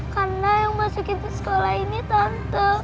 karena yang masukin ke sekolah ini tante